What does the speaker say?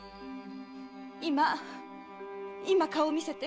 今今顔を見せて。